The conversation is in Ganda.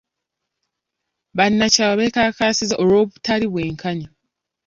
Bannakyalo beekalakaasizza olw'obutali bwenkanya.